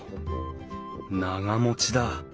長持ちだ。